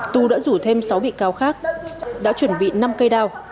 tù đã rủ thêm sáu bị cáo khác đã chuẩn bị năm cây đao